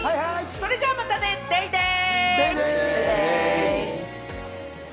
それじゃあまたね、デイデイ！